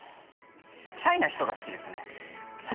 シャイな人が好きですね。